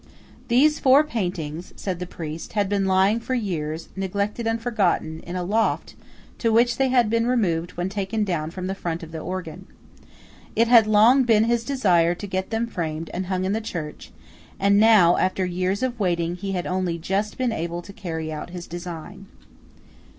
These four paintings, said the priest, had been lying for years, neglected and forgotten, in a loft to which they had been removed when taken down from the front of the organ. It had long been his desire to get them framed and hung in the church; and now, after years of waiting, he had only just been able to carry out his design.